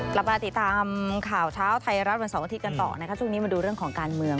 กลับมาติดตามข่าวเช้าไทยรัฐวันเสาร์อาทิตย์กันต่อนะคะช่วงนี้มาดูเรื่องของการเมือง